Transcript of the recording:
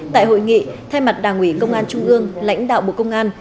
tại hội nghị thay mặt đảng ủy công an trung ương lãnh đạo bộ công an